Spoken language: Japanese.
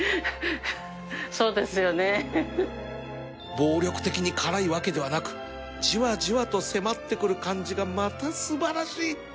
暴力的に辛いわけではなくじわじわと迫ってくる感じがまた素晴らしい！